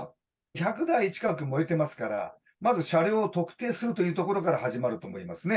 １００台近く燃えてますから、まず車両を特定するというところから始まると思いますね。